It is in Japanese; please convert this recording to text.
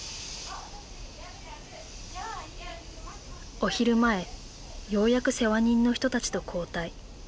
お昼前ようやく世話人の人たちと交代。